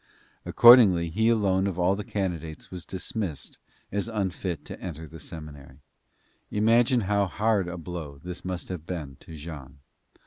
Accordingly, he alone of all the candidates was dismissed as unfit to enter the seminary. Imagine how hard a blow this must have been to Jean.